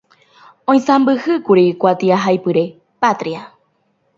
Oisãmbyhýkuri Kuatiahaipyre “Patria”.